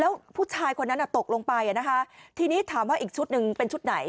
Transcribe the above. แล้วผู้ชายคนนั้นตกลงไปนะคะทีนี้ถามว่าอีกชุดหนึ่งเป็นชุดไหน